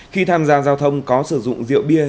khi tham gia giao thông có sử dụng rượu bia